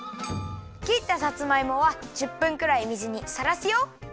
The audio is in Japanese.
きったさつまいもは１０分くらい水にさらすよ！